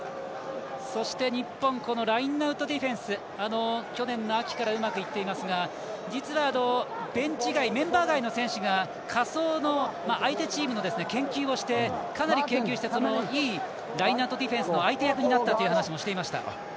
そして日本ラインアウトディフェンス去年の秋からうまくいっていますが実は、ベンチ外メンバー外の選手が仮想の、相手チームをかなり研究していいラインアウトディフェンスの相手役になったという話もありました。